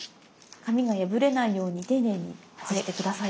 紙が破れないように丁寧に外して下さい。